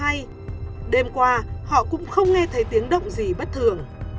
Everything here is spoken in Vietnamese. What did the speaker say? hay đêm qua họ cũng không nghe thấy tiếng động gì bất thường